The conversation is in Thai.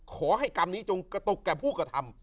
ขอให้กรรมนี้จงกระตกแก่ผู้กระทำ